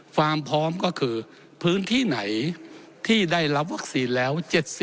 ความพร้อมก็คือพื้นที่ไหนที่ได้รับวัคซีนแล้ว๗๐